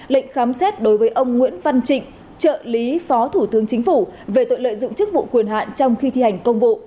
lệnh khám xét đối với ông nguyễn văn trịnh trợ lý phó thủ tướng chính phủ về tội lợi dụng chức vụ quyền hạn trong khi thi hành công vụ